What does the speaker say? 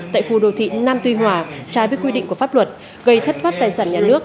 tại khu đô thị nam tuy hòa trái với quy định của pháp luật gây thất thoát tài sản nhà nước hơn tám tỷ đồng